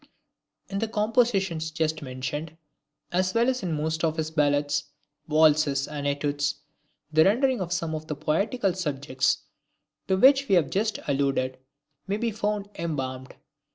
In the compositions just mentioned, as well as in most of his Ballads, Waltzes and Etudes, the rendering of some of the poetical subjects to which we have just alluded, may be found embalmed.